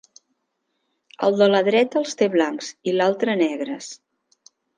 El de la dreta els té blancs i l'altre negres.